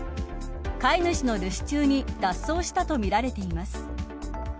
飼い主の留守中に脱走したとみられています。